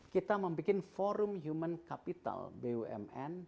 kita membuat forum human capital bumn